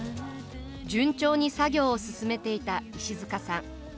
順調に作業を進めていたいしづかさん。